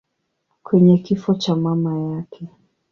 kwenye kifo cha mama yake.